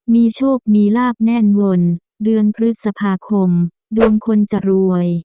มีโชคมีลาบแน่นวนเดือนพฤษภาคมดวงคนจะรวย